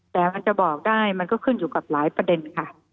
แต่มันจะบอกได้มันก็ขึ้นอยู่กับหลายประเด็นค่ะ